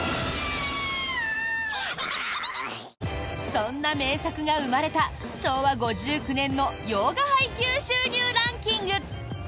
そんな名作が生まれた昭和５９年の洋画配給収入ランキング！